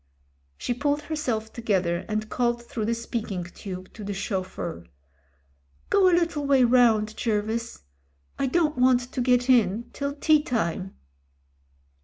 She pulled herself together, and called through the THE DEATH GRIP 199 speaking tube to the chauffeur. "Go a little way round, Jervis. I don't want to get in till tea time."